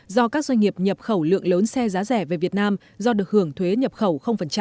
do các doanh nghiệp nhập khẩu lượng lớn xe giá rẻ về việt nam do được hưởng thuế nhập khẩu